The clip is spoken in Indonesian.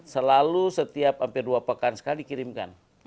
selalu setiap hampir dua pekan sekali dikirimkan